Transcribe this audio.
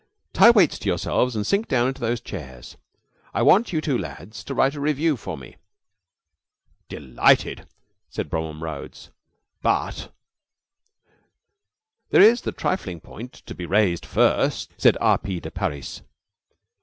"Tie weights to yourselves and sink down into those chairs. I want you two lads to write a revue for me." "Delighted!" said Bromham Rhodes; "but " "There is the trifling point to be raised first " said R. P. de Parys.